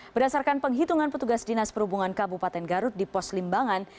berdasarkan penghitungan petugas dinas perhubungan kabupaten garut di pos limbangan